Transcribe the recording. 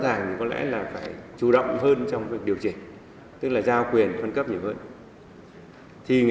thì có lẽ là phải chủ động hơn trong việc điều chỉnh